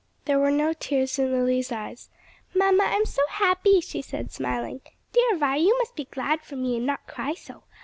There were no tears in Lily's eyes, "Mamma, I'm so happy," she said smiling. "Dear Vi, you must be glad for me and not cry so.